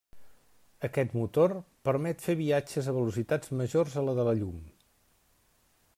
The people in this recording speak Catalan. Aquest motor permet fer viatges a velocitats majors a la de la llum.